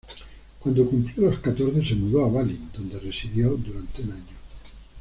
Cuando cumplió los catorce se mudó a Bali, donde residió durante un año.